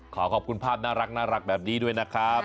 ขอขอบคุณภาพน่ารักแบบนี้ด้วยนะครับ